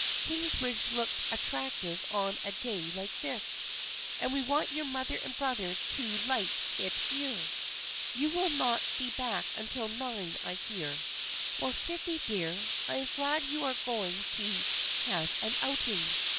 Kingsbridge looks attractive on a day like this and we want your mother and brother to like it here. You will not be back until nine, I hear ! Well, Sydney dear, I am glad you are going to have an outing.